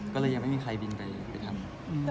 ก็เลยยังไม่มีใครบินไปทำ